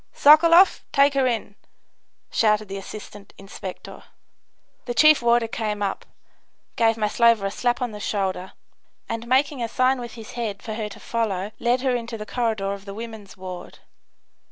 "Sokoloff, take her in!" shouted the assistant inspector. The chief warder came up, gave Maslova a slap on the shoulder, and making a sign with his head for her to follow led her into the corridor of the women's ward.